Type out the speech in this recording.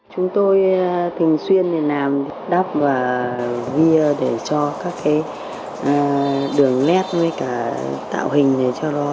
chúng tôi thường xuyên làm đắp và ghi để cho các cái đường nét với cả tạo hình này cho nó